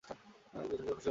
পরিচিত হয়ে খুশি হলাম।